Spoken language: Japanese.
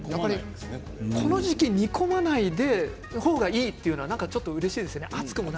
この時期、煮込まない方がいいというのはうれしいですね